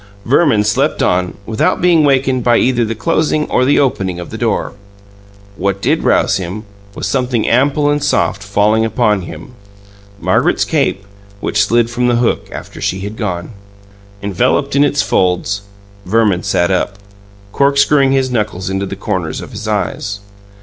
Verman slept on, without being wakened by either the closing or the opening of the door. What did rouse him was something ample and soft falling upon him Margaret's cape, which slid from the hook after she had gone. Enveloped in its folds, Verman sat up, corkscrewing his knuckles into the corners of his eyes.